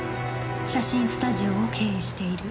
写真スタジオを経営している